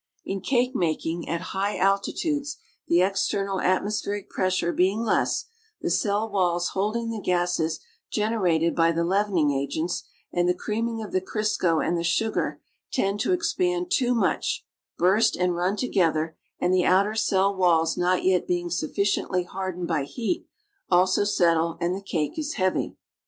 In cake making at high altitudes the external atmospheric pres sure being less, the cell walls holding the gases generated by the leavening agents and the creaming of the Crisco and the sugar tend to expand too much, burst and run together and the outer cell walls not yet being sufficiently hardened by heat, also settle and the cake is heavy.